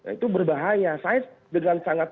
itu berbahaya saya dengan sangat